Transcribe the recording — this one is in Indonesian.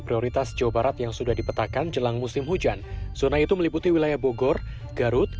prioritas jawa barat yang sudah dipetakan jelang musim hujan zona itu meliputi wilayah bogor garut